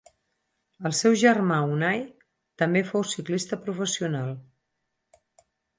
El seu germà Unai també fou ciclista professional.